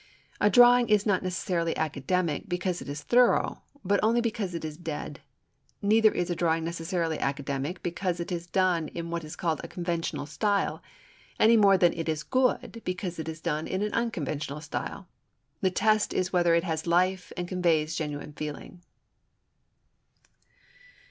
A drawing is not necessarily academic because it is thorough, but only because it is dead. Neither is a drawing necessarily academic because it is done in what is called a conventional style, any more than it is good because it is done in an unconventional style. The test is whether it has life and conveys genuine feeling.